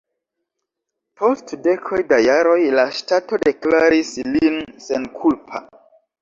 Post dekoj da jaroj la ŝtato deklaris lin senkulpa.